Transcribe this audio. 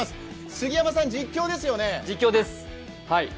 杉山さん、実況ですよね。